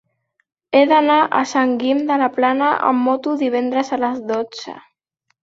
He d'anar a Sant Guim de la Plana amb moto divendres a les dotze.